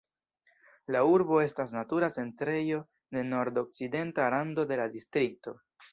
La urbo estas natura centrejo de nordokcidenta rando de la distrikto.